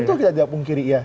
tentu kita diapung kiri ya